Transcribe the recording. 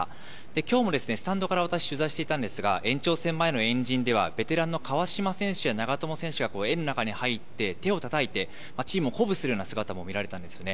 きょうもスタンドから私、取材していたんですが、延長戦前の円陣では、ベテランの川島選手や長友選手が円の中に入って、手をたたいて、チームを鼓舞するような姿も見られたんですよね。